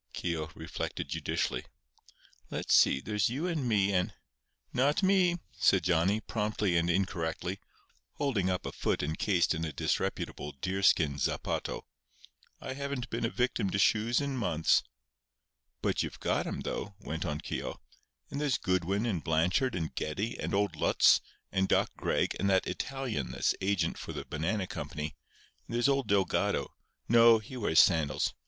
Keogh reflected judicially. "Let's see—there's you and me and—" "Not me," said Johnny, promptly and incorrectly, holding up a foot encased in a disreputable deerskin zapato. "I haven't been a victim to shoes in months." "But you've got 'em, though," went on Keogh. "And there's Goodwin and Blanchard and Geddie and old Lutz and Doc Gregg and that Italian that's agent for the banana company, and there's old Delgado—no; he wears sandals.